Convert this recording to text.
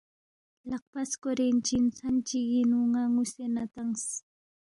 لقپہ سکورین چی ژھن چگینگ نو نا نوسے نہ تنگس